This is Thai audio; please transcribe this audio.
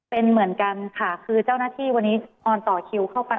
เป็นเหมือนกันค่ะคือเจ้าหน้าที่วันนี้ออนต่อคิวเข้าไป